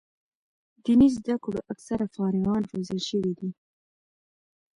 دیني زده کړو اکثره فارغان روزل شوي دي.